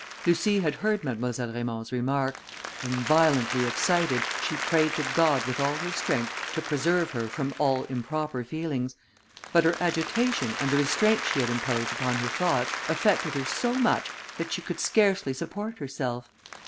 Lucie had heard Mademoiselle Raymond's remark, and, violently excited, she prayed to God with all her strength to preserve her from all improper feelings; but her agitation, and the restraint she had imposed upon her thoughts, affected her so much, that she could scarcely support herself.